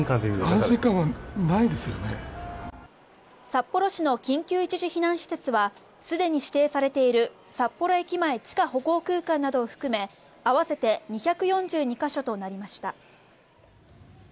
札幌市の緊急一時避難施設はすでに指定されている札幌駅前地下歩行空間などを含め合わせて２４２か所となりました。